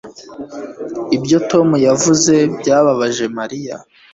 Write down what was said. Ibyo Tom yavuze byababaje Mariya